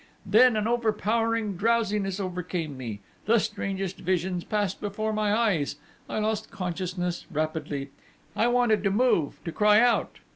Then an overpowering drowsiness overcame me, the strangest visions passed before my eyes; I lost consciousness rapidly.... I wanted to move, to cry out